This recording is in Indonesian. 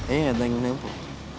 ini ada yang menempel